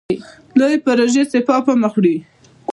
لویې پروژې سپاه پرمخ وړي.